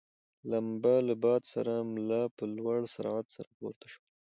لمبه له باده سره مله په لوړ سرعت سره پورته شول.